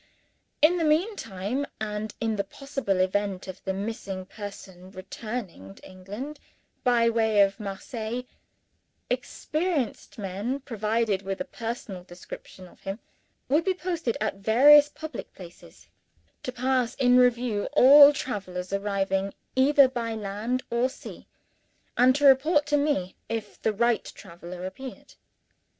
In the meantime, and in the possible event of the missing person returning to England by way of Marseilles, experienced men, provided with a personal description of him, would be posted at various public places, to pass in review all travelers arriving either by land or sea and to report to me if the right traveler appeared.